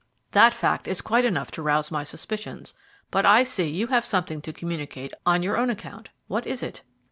That fact is quite enough to rouse my suspicions, but I see you have something to communicate on your own account. What is it?"